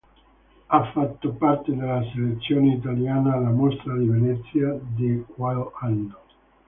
Ha fatto parte della selezione italiana alla Mostra di Venezia di quell'anno.